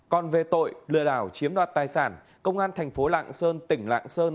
còn về tội lừa đảo chiếm đoạt tài sản công an thành phố lạng sơn tỉnh lạng sơn